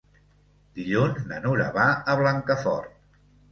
Dilluns na Nura va a Blancafort.